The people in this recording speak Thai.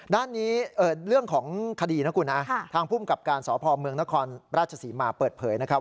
ด้านนี้เรื่องของคดีนะคุณนะทางภูมิกับการสพเมืองนครราชศรีมาเปิดเผยนะครับ